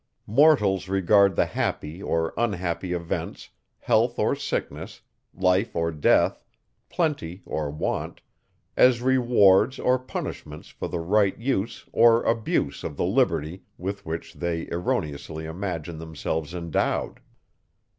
Mortals regard the happy or unhappy events, health or sickness, life or death, plenty or want, as rewards or punishments for the right use or abuse of the liberty, with which they erroneously imagine themselves endowed.